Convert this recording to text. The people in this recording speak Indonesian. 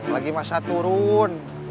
lagi masa turun